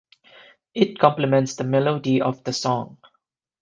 It complements the melody of the song.